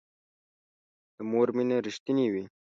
د مور مینه رښتینې وي